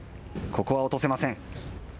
ここは落とせません。